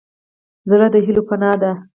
زړه د هيلو پناه ده.